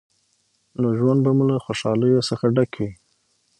نو ژوند به مو له خوشحالیو څخه ډک وي.